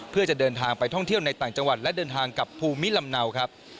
เพื่อจะเดินทางไปท่องเที่ยวในต่างจังหวัดและเดินทางกับภูมิลำเนาครับ